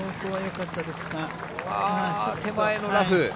手前のラフ。